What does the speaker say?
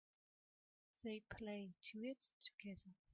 They play duets together.